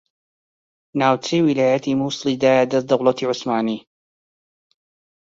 ناوچەی ویلایەتی موسڵی دایە دەست دەوڵەتی عوسمانی